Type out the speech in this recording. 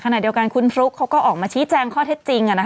ขณะเดียวกันคุณฟลุ๊กเขาก็ออกมาชี้แจงข้อเท็จจริง